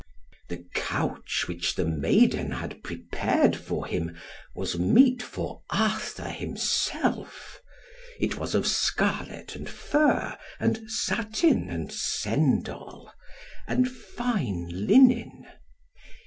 The couch which the maiden had prepared for him was meet for Arthur himself; it was of scarlet, and fur, and satin, and sendall, and fine linen.